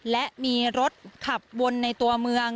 และมีรถขับวนในตัวเมือง